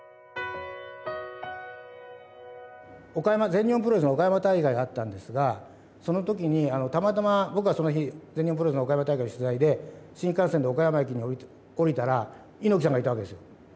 全日本プロレスの岡山大会があったんですがその時にたまたまぼくはその日全日本プロレスの岡山大会の取材で新幹線で岡山駅に降りたら猪木さんがいたわけですよ。